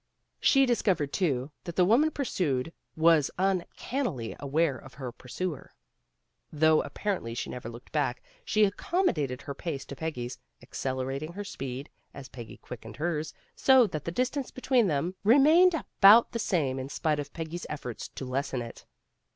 She dis covered, too, that the woman pursued was un cannily aware of her pursuer. Though ap parently she never looked back, she accommo dated her pace to Peggy's, accelerating her speed, as Peggy quickened hers, so that the distance between them remained about the 302 PEGGY RAYMOND'S WAY same in spite of Peggy's efforts to lessen it.